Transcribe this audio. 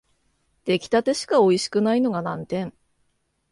出来立てしかおいしくないのが難点